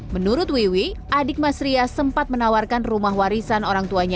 menurut wiwi adik mas ria sempat menawarkan rumah warisan orang tuanya